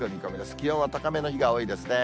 気温は高めの日が多いですね。